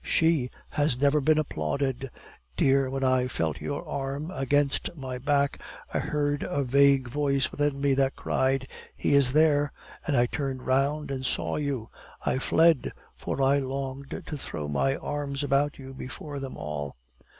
SHE has never been applauded. Dear, when I felt your arm against my back, I heard a vague voice within me that cried, 'He is there!' and I turned round and saw you. I fled, for I longed so to throw my arms about you before them all."